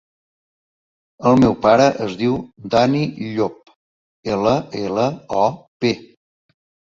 El meu pare es diu Dani Llop: ela, ela, o, pe.